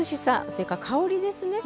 それから香りですね。